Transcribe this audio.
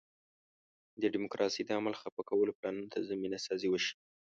د ډیموکراسۍ د عمل خفه کولو پلانونو ته زمینه سازي وشي.